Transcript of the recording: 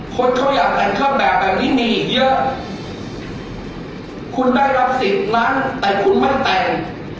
คนเขาอยากแต่งเครื่องแบบแบบนี้มีอีกเยอะคุณได้รับสิทธิ์นั้นแต่คุณไม่แต่ง